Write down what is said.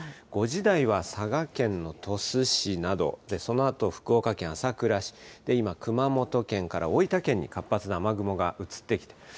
５時台は佐賀県の鳥栖市などで、そのあと福岡県朝倉市、今、熊本県から大分県に活発な雨雲が移ってきています。